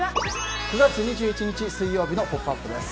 ９月２１日、水曜日の「ポップＵＰ！」です。